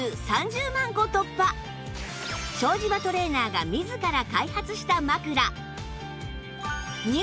庄島トレーナーが自ら開発した枕